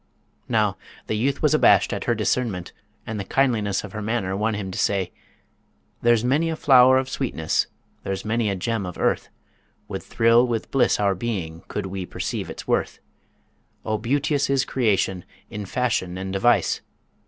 Now, the youth was abashed at her discernment, and the kindliness of her manner won him to say: There's many a flower of sweetness, there's many a gem of earth Would thrill with bliss our being, could we perceive its worth. O beauteous is creation, in fashion and device!